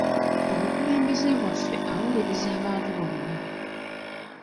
Omukulembeze waffe awuliriza abantu bonna.